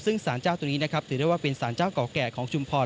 ซึ่งสรรเจ้าตรงนี้ถือได้ว่าเป็นสรรเจ้าเกาะแก่ของชุมพร